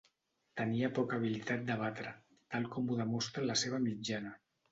Tenia poca habilitat de batre, tal com ho demostra la seva mitjana.